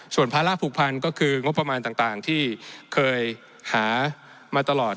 ส่วนภาระผูกพันก็คืองบประมาณต่างที่เคยหามาตลอด